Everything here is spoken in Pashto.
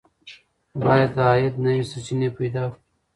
باید د عاید نوې سرچینې پیدا کړو.